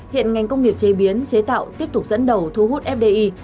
hiện ngành công nghiệp chế biến chế tạo tiếp tục dẫn đầu thu hút fdi